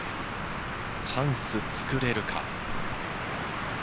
チャンスをつくれるか？